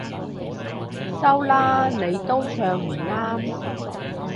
收啦，你都唱唔啱